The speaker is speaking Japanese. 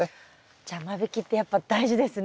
じゃあ間引きってやっぱ大事ですね。